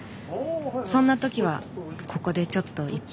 そんな時はここでちょっと１杯。